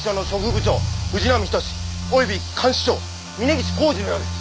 部長藤波仁志及び看守長峯岸幸二のようです。